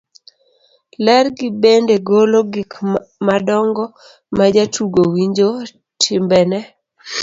ler gi bende golo gik madongo majatugo winjo, timbene